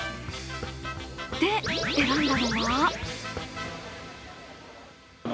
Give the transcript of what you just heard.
で、選んだのは？